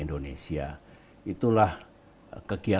dan bisa dilihat oleh saudara saudara kami rakyat